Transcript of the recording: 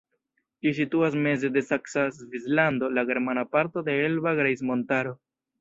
Ĝi situas meze de Saksa Svislando, la germana parto de Elba Grejsmontaro.